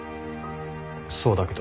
そうだけど。